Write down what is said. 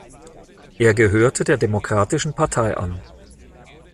Er gehörte der Demokratischen Partei an.